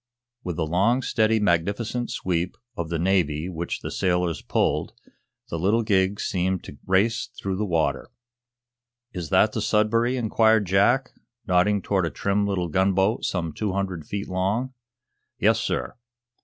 With the long, steady, magnificent sweep of the Navy which the sailors pulled, the little gig seemed to race through the water. "Is that the 'Sudbury'?" inquired Jack, nodding toward a trim little gunboat some two hundred feet long. "Yes, sir."